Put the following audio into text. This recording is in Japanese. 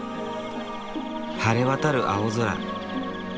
晴れ渡る青空。